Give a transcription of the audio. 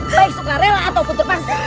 baik suka rela ataupun terpaksa